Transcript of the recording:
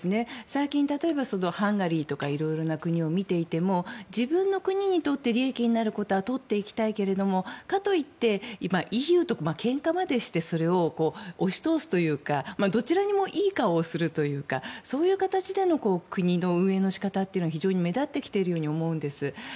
最近、例えばハンガリーとかいろいろな国を見ていましても自分の国にとって利益になることはとっていきたいけれどもかといってＥＵとけんかまでしてそれを押し通すというかどちらにもいい顔をするというかそういう形での国の運営の仕方が非常に目立ってきているように思うんです。